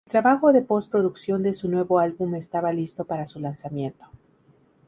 El trabajo de post-producción de su nuevo álbum estaba listo para su lanzamiento.